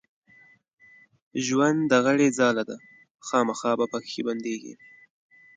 ژوند د غڼي ځاله ده خامخا به پکښې بندېږې